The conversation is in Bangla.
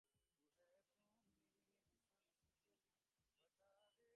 আহাম্মদ আলী নারায়ণগঞ্জ সিটি করপোরেশনের মেয়র সেলিনা হায়াৎ আইভীর ছোট ভাই।